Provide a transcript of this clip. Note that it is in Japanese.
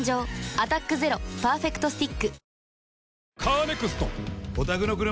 「アタックＺＥＲＯパーフェクトスティック」